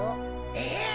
え！